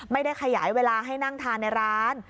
ไม่ได้ขยายเวลาให้นั่งทานในร้าน